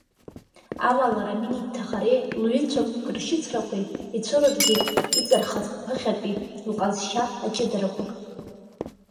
Амала Рамин иҭахареи лҩызцәақәак ршьыцрақәеи ицәырыргеит иҵархаз ԥыхьатәи лҟазшьа аҷыдарақәак.